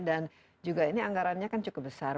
dan juga ini anggarannya kan cukup besar